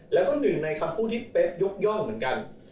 แล้วก็หนึ่งในคำพูดที่เป๊กยกย่องเหมือนกัน